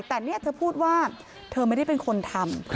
แต่นี่เธอพูดว่าเธอไม่ได้เป็นคนทำ